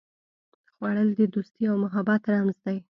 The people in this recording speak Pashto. خوړل د دوستي او محبت رمز دی